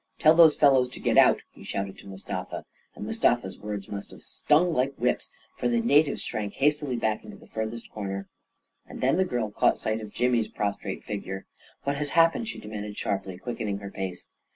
"Tell those fellows to get out! " he shouted to Mustafa; and Mustafa's words must have stung like whips, for the natives shrank hastily back into the farthest corner. And then the girl caught sight of Jimmy's pros trate figure. "What has happened?" she demanded, sharply, quickening her pace.